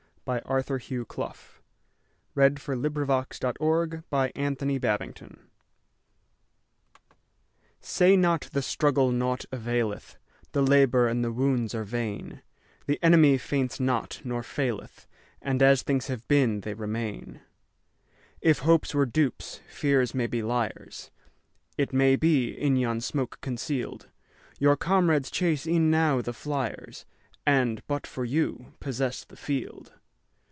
1909–14. Arthur Hugh Clough 693. Say Not the Struggle Naught Availeth SAY not the struggle naught availeth, The labour and the wounds are vain, The enemy faints not, nor faileth, And as things have been they remain. If hopes were dupes, fears may be liars; It may be, in yon smoke conceal'd, Your comrades chase e'en now the fliers, And, but for you, possess the field.